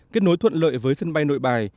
kết nối thuận lợi với sân bay nội bài